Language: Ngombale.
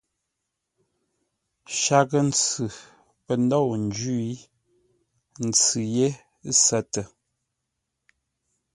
Shaghʼə-ntsʉ pə̂ ndôu ńjwî, ntsʉ ye sətə.